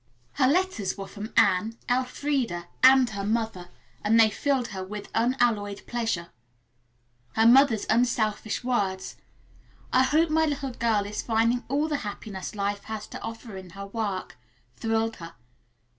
Her letters were from Anne, Elfreda and her mother, and they filled her with unalloyed pleasure. Her mother's unselfish words, "I hope my little girl is finding all the happiness life has to offer in her work," thrilled her.